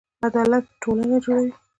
عدالت ټولنه جوړوي